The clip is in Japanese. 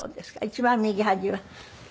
一番右端は？